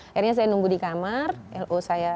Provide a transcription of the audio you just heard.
akhirnya saya nunggu di kamar lo saya